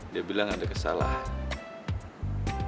dia bilang ada kesalahan